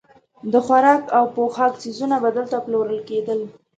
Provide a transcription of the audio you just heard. د خوراک او پوښاک څیزونه به دلته پلورل کېدل.